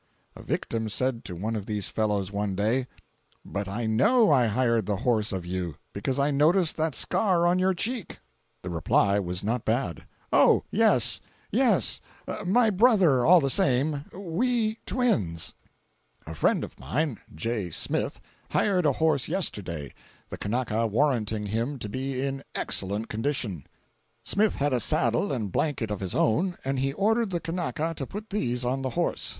A victim said to one of these fellows one day: "But I know I hired the horse of you, because I noticed that scar on your cheek." The reply was not bad: "Oh, yes—yes—my brother all same—we twins!" 469.jpg (81K) A friend of mine, J. Smith, hired a horse yesterday, the Kanaka warranting him to be in excellent condition. Smith had a saddle and blanket of his own, and he ordered the Kanaka to put these on the horse.